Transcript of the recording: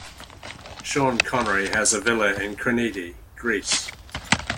Sean Connery has a villa in Kranidi, Greece.